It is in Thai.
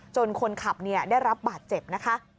คนขับได้รับบาดเจ็บนะคะ